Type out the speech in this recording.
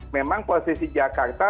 memang posisi jakarta